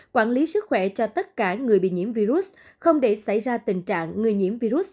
quản lý sức khỏe cho tất cả người bị nhiễm virus không để xảy ra tình trạng người nhiễm virus